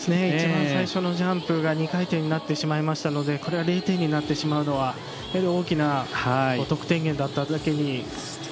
一番最初のジャンプが２回転になってしまったのでこれが０点になるのは大きな得点源だっただけに。